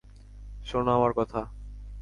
শোন আমার কথা।